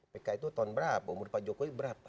pk itu tahun berapa umur pak jokowi berapa